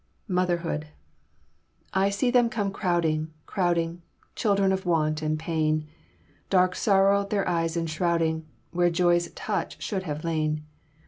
MOTHERHOOD I see them come crowding, crowding, Children of want and pain, Dark sorrow their eyes enshrouding, Where joy's touch should have lain.